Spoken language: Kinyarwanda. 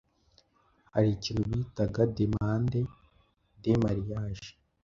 Hari ikintu bitaga demande de marriage